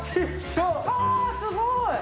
はあすごい！